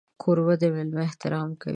کوربه د مېلمه احترام کوي.